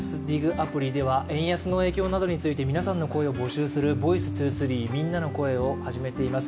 アプリでは、円安の影響などについて皆さんの声を募集する「ｖｏｉｃｅ２３みんなの声」を始めています。